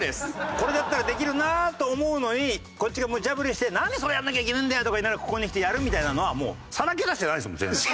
これだったらできるなと思うのにこっちがむちゃ振りして「なんでそれやらなきゃいけねえんだよ」とか言いながらここに来てやるみたいなのはさらけ出してないですもん全然。